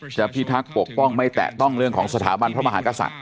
พิทักษ์ปกป้องไม่แตะต้องเรื่องของสถาบันพระมหากษัตริย